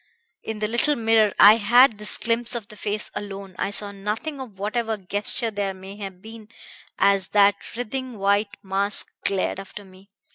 In the little mirror I had this glimpse of the face alone; I saw nothing of whatever gesture there may have been as that writhing white mask glared after me.